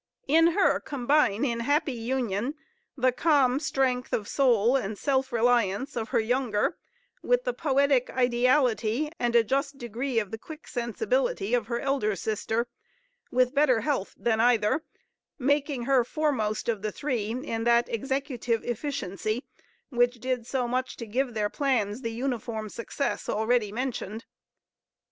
In her combine in happy union the calm strength of soul and self reliance of her younger, with the poetic ideality and a just degree of the quick sensibility of her elder sister, with better health than either, making her foremost of the three in that executive efficiency which did so much to give their plans the uniform success already mentioned.